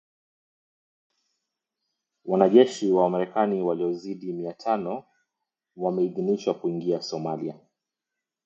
Wanajeshi wa Marekani wasiozidi mia tano wameidhinishwa kuingia Somalia